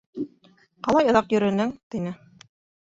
— Ҡалай оҙаҡ йөрөнөң, — тине.